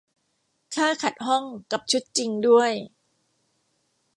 ค่าขัดห้องกับชุดจริงด้วย